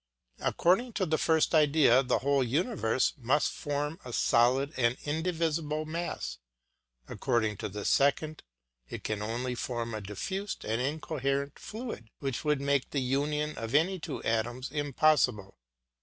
According to the first idea the whole universe must form a solid and indivisible mass; according to the second it can only form a diffused and incoherent fluid, which would make the union of any two atoms impossible.